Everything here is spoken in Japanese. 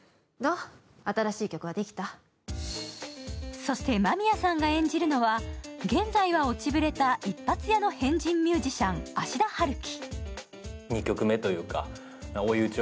そして間宮さんが演じるのは現在は落ちぶれた一発屋の変人ミュージシャン、芦田春樹。